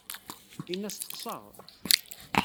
Ini-as ḍḍseɣ.